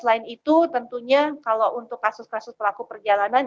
selain itu tentunya kalau untuk kasus kasus pelaku perjalanan